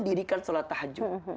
didikan salat tahajud